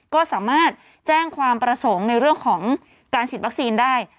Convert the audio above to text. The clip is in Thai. ก็สามารถแจ้งความประสงค์ในเรื่องของการฉีดวัคซีนได้